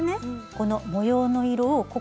この模様の色をここでね